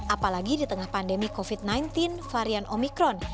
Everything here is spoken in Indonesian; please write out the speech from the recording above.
apalagi di tengah pandemi covid sembilan belas varian omikron